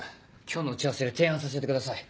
今日の打ち合わせで提案させてください。